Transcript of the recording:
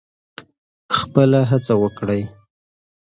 خپله هڅه وکړئ.